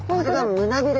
胸びれ。